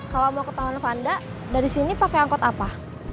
kalo mau ketauan fanda dari sini pakai angkot apa